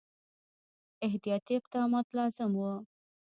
احتیاطي اقدامات لازم وه.